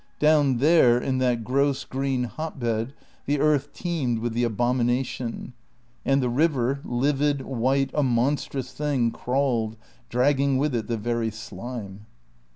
Down there, in that gross green hot bed, the earth teemed with the abomination; and the river, livid, white, a monstrous thing, crawled, dragging with it the very slime.